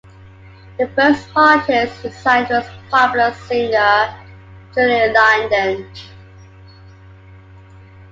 The first artist he signed was popular singer Julie London.